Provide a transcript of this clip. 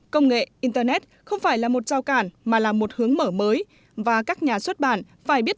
công nghệ internet không phải là một giao cản mà là một hướng mở mới và các nhà xuất bản phải biết